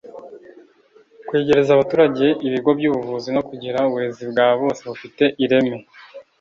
kwegereza abaturage ibigo by'ubuvuzi no kugira uburezi bwa bose bufite ireme